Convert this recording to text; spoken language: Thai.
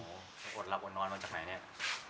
โอ้โหไปอดหลับอดนอนมาจากไหนเนี่ย